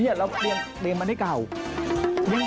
นี่เรามีเริ่มมั้นได้เก่ากว้าง